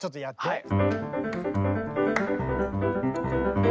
はい。